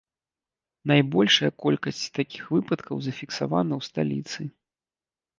Найбольшая колькасць такіх выпадкаў зафіксавана ў сталіцы.